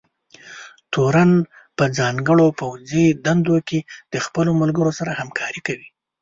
تورن په ځانګړو پوځي دندو کې د خپلو ملګرو سره همکارۍ کوي.